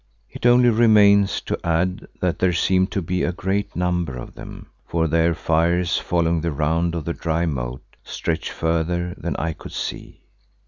It only remains to add that there seemed to be a great number of them, for their fires following the round of the dry moat, stretched further than I could see.